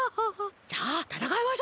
じゃあたたかいましょう。